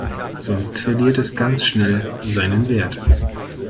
Sonst verliert es ganz schnell seinen Wert.